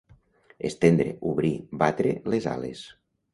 Estendre, obrir, batre, les ales.